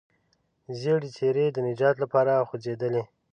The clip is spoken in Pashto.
ژېړې څېرې د نجات لپاره خوځېدلې.